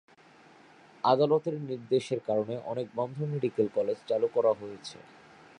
আদালতের নির্দেশের কারণে অনেক বন্ধ মেডিকেল কলেজ চালু করা হয়েছে।